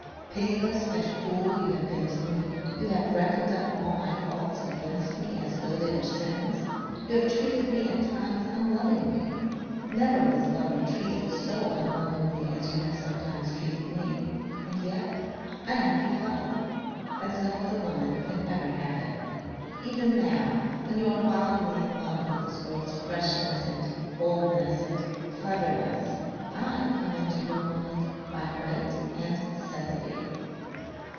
Pitiless and cruel you have been to me. You have reckoned up all my faults against me as though they were sins. You have treated me at times unlovingly never was lover treated so unlovingly as you have sometimes treated me. And yet I have your love as no other woman can ever have it. Even now when you are wildly in love with this girl's freshness and boldness and cleverness I come into your mind by right and necessity."